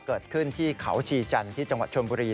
เกิดขึ้นที่เขาชีจันทร์ที่จังหวัดชนบุรี